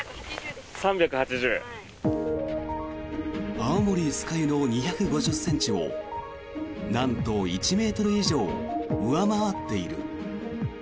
青森・酸ケ湯の２５０ｃｍをなんと１ｍ以上上回っている。